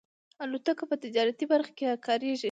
الوتکه په تجارتي برخه کې کارېږي.